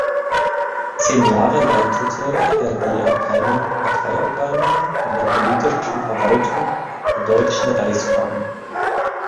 Zehn Jahre leitete er die Abteilung Parteiorgane in der Politischen Verwaltung der Deutschen Reichsbahn.